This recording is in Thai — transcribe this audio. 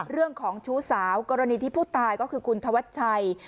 เรื่องของชู้สาวกรณีที่ผู้ตายก็คือคุณธวัชชัย